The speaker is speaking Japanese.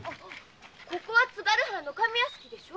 ここは津軽藩の上屋敷でしょ。